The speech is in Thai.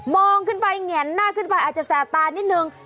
ขึ้นไปแง่นหน้าขึ้นไปอาจจะแสบตานิดนึง